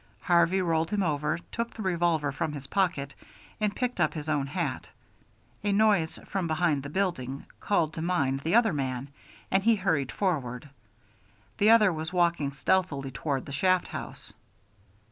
Harvey rolled him over, took the revolver from his pocket, and picked up his own hat. A noise from behind the building called to mind the other man, and he hurried forward. The other was walking stealthily toward the shaft house.